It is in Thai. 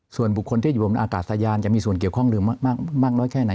ส่วนบุคคลที่อยู่บนอากาศยานจะมีส่วนเกี่ยวข้องหรือมากน้อยแค่ไหน